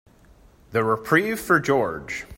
The reprieve for George.